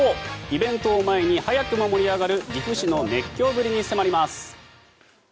イベントを前に早くも盛り上がる岐阜市の熱狂ぶりに迫ります。